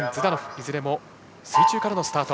いずれも水中からのスタート。